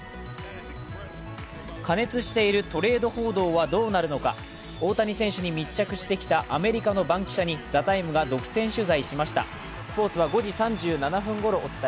過熱しているトレード報道はどうなるのか大谷選手に密着してきた、アメリカの番記者に「ＴＨＥＴＩＭＥ，」が独占取材しました。